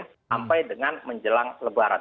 sampai dengan menjelang lebaran